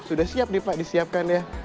sudah siap nih pak disiapkan ya